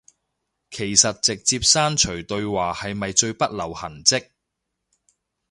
其實直接刪除對話係咪最不留痕跡